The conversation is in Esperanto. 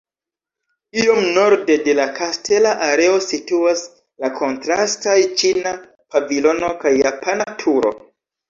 Iom norde de la kastela areo situas la kontrastaj ĉina pavilono kaj japana turo.